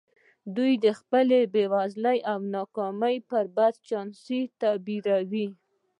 دوی خپله بېوزلي او ناکامي پر بد چانسۍ تعبیروي